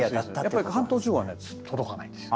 やっぱり関東地方はね届かないんですよ。